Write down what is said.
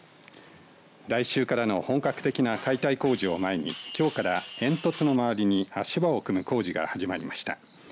来週からの本格的な解体工事を前にきょうから煙突の周りに足場を組む工事が始まりました。